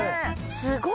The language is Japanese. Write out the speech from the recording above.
すごい。